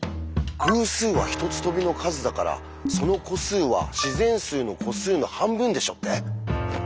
「偶数は１つ飛びの数だからその個数は自然数の個数の半分でしょ」って？